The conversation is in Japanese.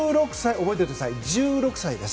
覚えておいてください１６歳です。